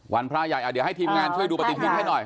วันพระใหญ่เดี๋ยวให้ทีมงานช่วยดูประติศิษฐ์ให้หน่อย